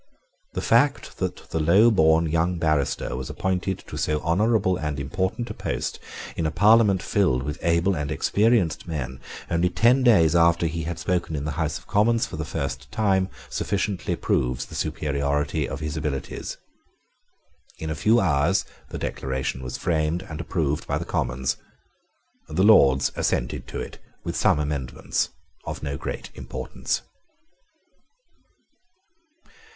The fact that the low born young barrister was appointed to so honourable and important a post in a Parliament filled with able and experienced men, only ten days after he had spoken in the House of Commons for the first time, sufficiently proves the superiority of his abilities. In a few hours the Declaration was framed and approved by the Commons. The Lords assented to it with some amendments of no great importance.